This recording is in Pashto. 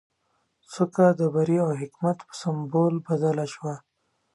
څوکه د بري او حکمت په سمبول بدله شوه.